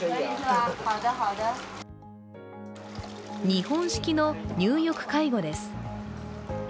日本式の入浴介護です。